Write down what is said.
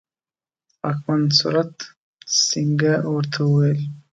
واکمن سورت سینګه ورته وویل.